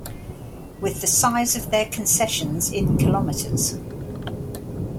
With the size of their concessions in kilometers.